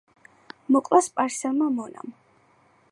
მოკლა სპარსელმა მონამ.